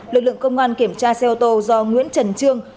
lực lượng công an kiểm tra xe ô tô do nguyễn trần trương